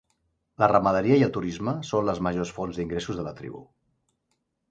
La ramaderia i el turisme són les majors fonts d'ingressos de la tribu.